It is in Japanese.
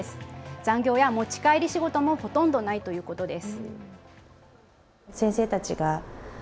残業や持ち帰り仕事もほとんどないということです。